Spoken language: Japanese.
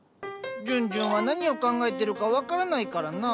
ジュンジュンは何を考えてるか分からないからな。